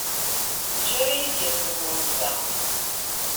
D acu ara yi-d-yexdem wass-a.